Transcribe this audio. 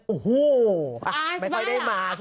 โอ้โหไม่ค่อยได้มา